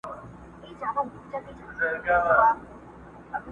ما ورکتل چي د مرګي پياله یې ونوشله!!